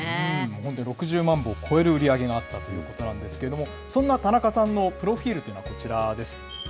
本当に６０万部を超える売り上げがあったということなんですけれども、そんな田中さんのプロフィールというのは、こちらです。